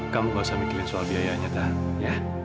kamu nggak usah mikirin soal biayanya ta ya